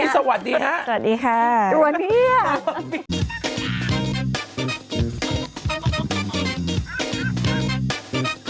สวัสดีค่ะ